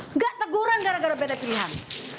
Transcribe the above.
nggak teguran gara gara beda pilihan